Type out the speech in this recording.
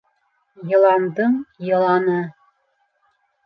Йыландың йыланы!